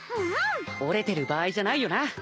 折れてる場合じゃないよな！＿